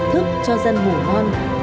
thức cho dân ngủ ngon